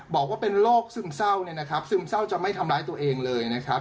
บอกว่าเป็นโรคซึมเศร้าเนี่ยนะครับซึมเศร้าจะไม่ทำร้ายตัวเองเลยนะครับ